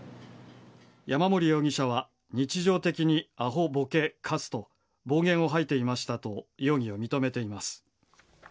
山森容疑者は日常的にアホ、ボケ、カスと暴言を吐いていましたと容疑を認めています。